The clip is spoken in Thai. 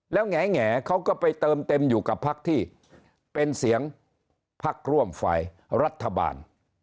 แล้วแหงเขาก็ไปเติมเต็มอยู่กับพักที่เป็นเสียงพักร่วมฝ่ายรัฐบาล